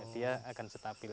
dia akan stabil